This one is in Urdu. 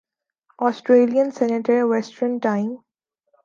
Australian central western time